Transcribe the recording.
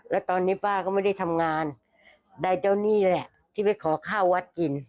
แล้วตอนนี้ป้าก็ไม่ได้ทำงานใดเจ้านี่แหละที่ไปขอข้าววัดกิน